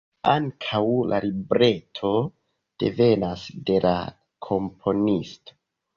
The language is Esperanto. Ankaŭ la libreto devenas de la komponisto.